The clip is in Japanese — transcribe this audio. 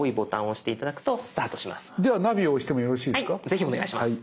ぜひお願いします。